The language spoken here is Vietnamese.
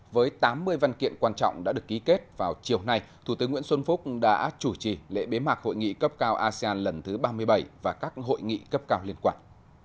với tám mươi văn kiện quan trọng đã được ký kết vào chiều nay thủ tướng nguyễn xuân phúc đã chủ trì lễ bế mạc hội nghị cấp cao asean lần thứ ba mươi bảy và các hội nghị cấp cao liên quan